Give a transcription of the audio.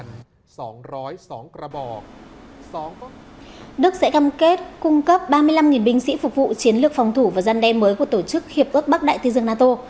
đức sẽ cam kết cung cấp ba mươi năm binh sĩ phục vụ chiến lược phòng thủ và gian đe mới của tổ chức hiệp ước bắc đại thế giươ